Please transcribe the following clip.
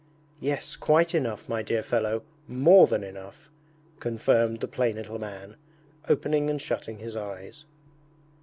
'Yes, quite enough, my dear fellow, more than enough!' confirmed the plain little man, opening and shutting his eyes.